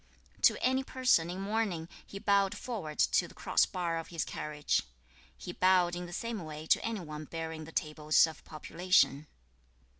To any person in mourning he bowed forward to the crossbar of his carriage; he bowed in the same way to any one bearing the tables of population.